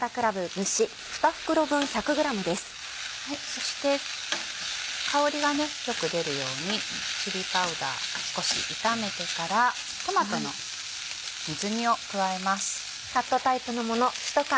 そして香りがよく出るようにチリパウダー少し炒めてからトマトの水煮を加えます。